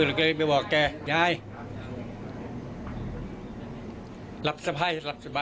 รับสบายรับสบาย